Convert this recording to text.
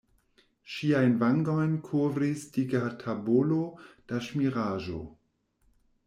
Ŝiajn vangojn kovris dika tabolo da ŝmiraĵo.